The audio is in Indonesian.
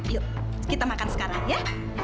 yuk kita makan sekarang ya